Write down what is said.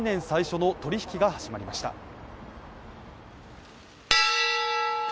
最初の取り引きが始まりました